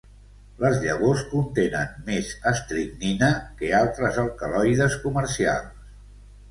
Les llavors contenen més estricnina que altres alcaloides comercials.